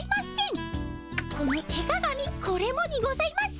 この手鏡これもにございます。